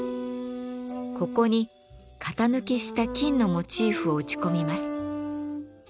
ここに型抜きした金のモチーフを打ち込みます。